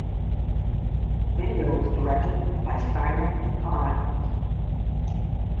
The video was directed by Simon Cahn.